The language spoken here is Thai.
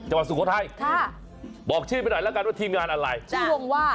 จังหวัดสุโขทัยบอกชื่อไปหน่อยละกันว่าทีมงานอะไรชื่อวงว่า